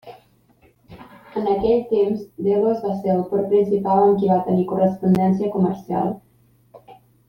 En aquell temps Delos va ser el port principal amb qui va tenir correspondència comercial.